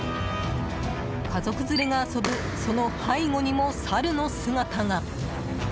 家族連れが遊ぶその背後にもサルの姿が。